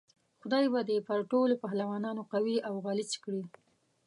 خدای به دې پر ټولو پهلوانانو قوي او غلیچ کړي.